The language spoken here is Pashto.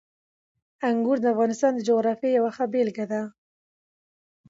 انګور د افغانستان د جغرافیې یوه ښه بېلګه ده.